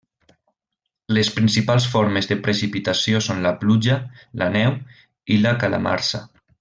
Les principals formes de precipitació són la pluja, la neu i la calamarsa.